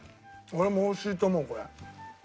俺も美味しいと思うこれ。